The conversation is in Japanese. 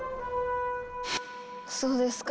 そうですか。